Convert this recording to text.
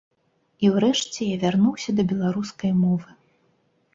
І ўрэшце я вярнуўся да беларускай мовы.